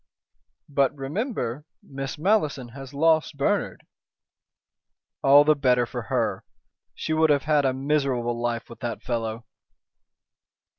"But remember Miss Malleson has lost Bernard." "All the better for her. She would have had a miserable life with that fellow."